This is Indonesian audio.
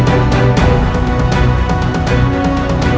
nah ayah academia menampaknya alkohol